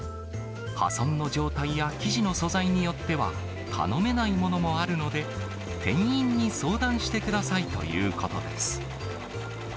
破損の状態や生地の素材によっては、頼めないものもあるので、店員に相談してくださいということです。